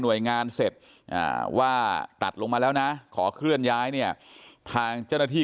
โดยงานเสร็จว่าตัดลงมาแล้วนะขอเคลื่อนย้ายเนี่ยทางเจ้าหน้าที่